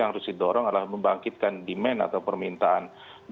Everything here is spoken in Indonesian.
yang harus didorong adalah membangkitkan demand atau permintaan